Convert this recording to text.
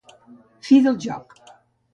Fi del joc.